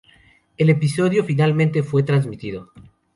El episodio, finalmente, fue transmitido.